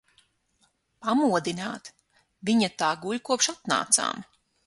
Pamodināt? Viņa tā guļ, kopš atnācām.